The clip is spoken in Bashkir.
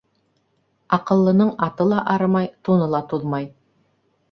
Аҡыллының аты ла арымай, туны ла туҙмай.